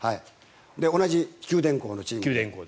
同じ九電工のチームで。